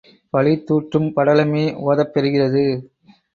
பழிதுாற்றும் படலமே ஓதப் பெறுகிறது.